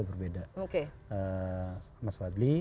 berbeda mas wadli